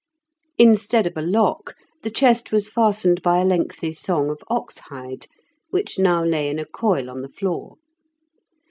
Instead of a lock, the chest was fastened by a lengthy thong of oxhide, which now lay in a coil on the floor.